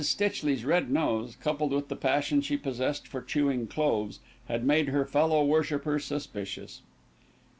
Stitchley's red nose, coupled with the passion she possessed for chewing cloves, had made her fellow worshipper suspicious.